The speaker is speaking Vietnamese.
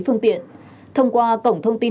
phương tiện thông qua cổng thông tin